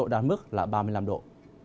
ban mức là ba mươi năm độ